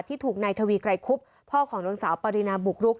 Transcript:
ที่ถูกนายทวีไกรคุบพ่อของนางสาวปรินาบุกรุก